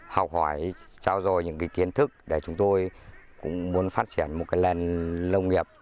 học hỏi trao dồi những kiến thức để chúng tôi cũng muốn phát triển một lèn lông nghiệp